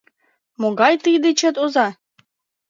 Могай тый дечет оза?!